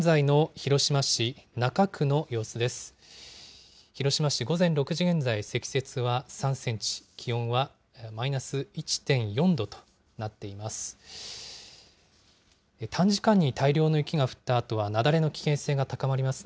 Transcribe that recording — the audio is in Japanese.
広島市、午前６時現在、積雪は３センチ、気温はマイナス１．４度となっています。